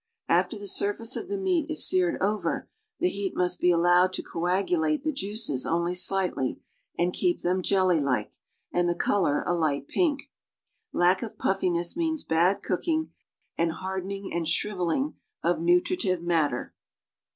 After the surface of the meat is seared over, the heat must tie allowed to coagulate the juices only slightly and keep them jelly like and the color a light pink. Lack of puffi ness means bad cooking and hardening and shri\elling of nu tritive matter.